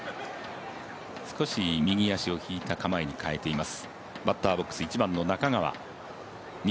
少し右足を引いた構えに変えています。